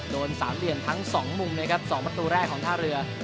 โดนสามเหลี่ยมทั้ง๒มุมนะครับ๒ประตูแรกของท่าเรือ